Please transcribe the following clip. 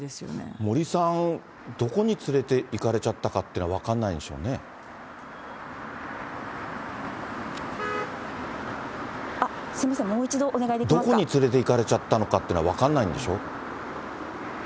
森さん、どこに連れていかれちゃったかっていうのは分かんないんでしょうすみません、どこに連れていかれちゃったかっていうのは分かんないんでしょう？